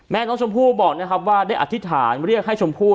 แม่น้องชมพู่บอกนะครับว่าได้อธิษฐานเรียกให้ชมพู่